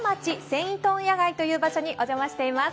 繊維問屋街という場所にお邪魔しています。